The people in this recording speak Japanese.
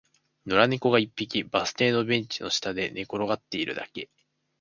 野良猫が一匹、バス停のベンチの下で寝転がっているだけ